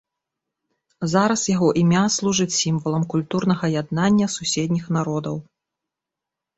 Зараз яго імя служыць сімвалам культурнага яднання суседніх народаў.